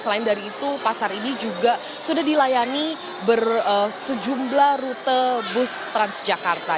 selain dari itu pasar ini juga sudah dilayani bersejumlah rute bus transjakarta